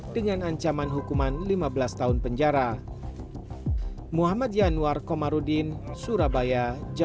dengan ancaman hukuman lima belas tahun penjara